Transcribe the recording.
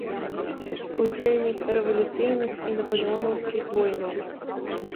Удзельнік рэвалюцыйных і напалеонаўскіх войнаў.